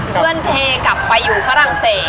เพื่อนเทกลับไปอยู่ฝรั่งเศส